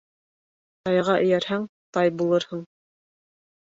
Тайға эйәрһәң, тай булырһың.